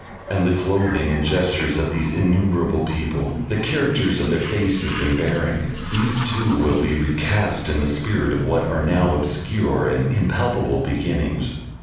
And the clothing and gestures of these innumerable people, the character of their faces and bearing, these too will be recast in the spirit of what are now obscure and impalpable beginnings.